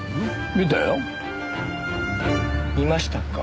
見ましたか。